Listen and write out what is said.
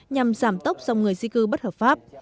nhằm giảm tốc dòng người di cư bất hợp pháp